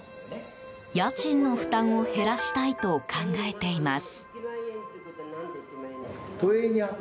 家賃の負担を減らしたいと考えています。